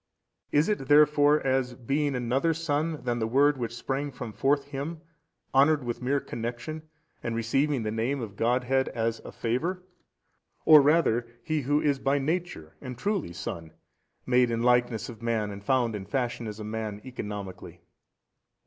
Is it therefore as being another son than the Word Which sprang from forth Him, honoured with mere connection, and receiving the Name of Godhead as a favour; or rather He Who is by Nature and truly Son, made in likeness of man and found in fashion as a man economically?